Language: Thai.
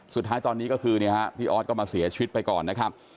สุดท้ายตอนนี้ก็คือพี่ออสก็มาเสียชีวิตไปก่อนนะครับ